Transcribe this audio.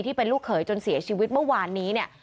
ที่เป็นลูกเขยจนเสียชีวิตเมื่อวานนี้เนี่ย